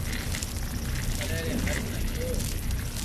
ھين مريا ري حالت ۾ ھتو